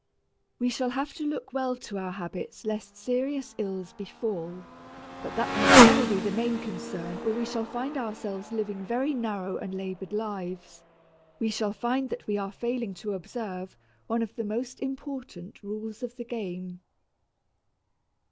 We shall have to look well to our habits lest serious ills befall, but that must never be the main concern or we shall find ourselves living very narrow and labored lives; we shall find that we are failing to observe one of the most important rules of the game.